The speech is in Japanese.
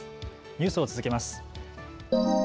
ニュースを続けます。